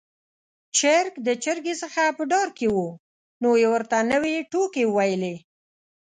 چرګ د چرګې څخه په ډار کې و، نو يې ورته نوې ټوکې وويلې.